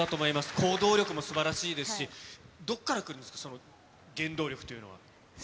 行動力もすばらしいですし、どこから来るんですか、その原動力というのは。